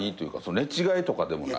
寝違えとかでもない。